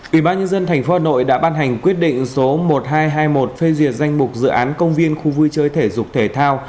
ủy ban nhân dân tp hà nội đã ban hành quyết định số một nghìn hai trăm hai mươi một phê duyệt danh mục dự án công viên khu vui chơi thể dục thể thao